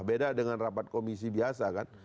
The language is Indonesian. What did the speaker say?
beda dengan rapat komisi biasa kan